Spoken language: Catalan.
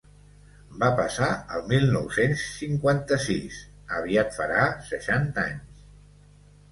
Va passar el mil nou-cents cinquanta-sis: aviat farà seixanta anys.